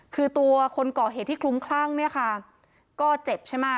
คือตัวคนก่อเหตุที่คลุ้มคลั่งเนี่ยค่ะก็เจ็บใช่ไหม